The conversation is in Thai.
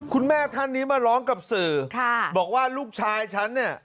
คุณแม่ท่านนี้มาร้องกับสื่อบอกว่าลูกชายฉันเนี่ย